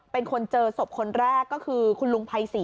ป้าของน้องธันวาผู้ชมข่าวอ่อน